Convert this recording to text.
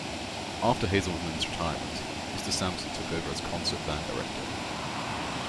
After Hazelman's retirement, Mr. Sampson took over as concert band director.